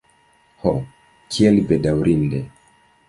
Ho, kiel bedaŭrinde!